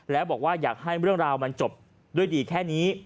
แล้วบอกว่าอยากให้เรื่องราวมันจบด้วยดีแค่นี้